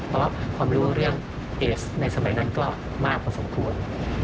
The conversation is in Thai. เพราะว่าความรู้เรื่องเอสในสมัยนั้นก็มากพอสมควร